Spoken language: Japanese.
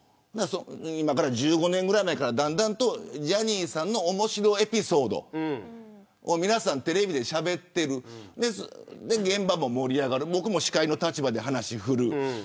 今から１５年ぐらい前からだんだんとジャニーさんの面白エピソードを皆さんテレビでしゃべってる現場も盛り上がる僕も司会の立場で話を振る。